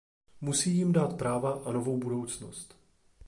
Musí jim dát práva a novou budoucnost.